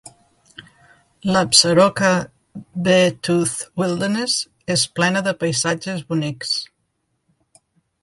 L'Absaroka-Beartooth Wilderness és plena de paisatges bonics.